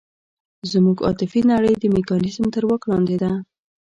زموږ عاطفي نړۍ د میکانیزم تر واک لاندې ده.